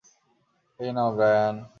এই নাও, ব্রায়ান।